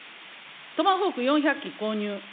トマホーク４００機購入。